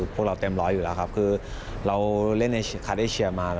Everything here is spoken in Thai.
พวกเราเต็มร้อยอยู่แล้วครับคือเราเล่นในคาเดเชียมา